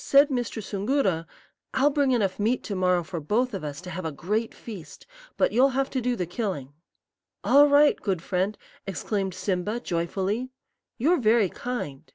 "Said Mr. Soongoora, 'I'll bring enough meat to morrow for both of us to have a great feast, but you'll have to do the killing.' "'All right, good friend,' exclaimed Simba, joyfully; 'you're very kind.'